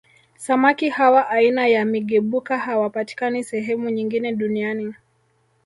Samaki hawa aina ya Migebuka hawapatikani sehemu nyingine Duniani